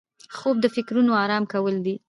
خوب د فکرونو آرام کول دي